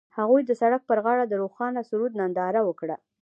هغوی د سړک پر غاړه د روښانه سرود ننداره وکړه.